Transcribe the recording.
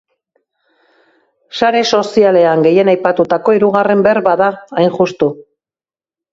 Sare sozialean gehien aipatutako hirugarren berba da, hain justu.